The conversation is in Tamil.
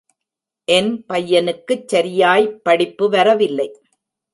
என் பையனுக்குச் சரியாய்ப் படிப்பு வரவில்லை.